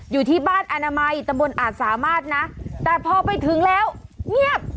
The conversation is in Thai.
อยู่ที่บ้านอนามัยตะบนอาจสามารถนะแต่พอไปถึงแล้วเงียบ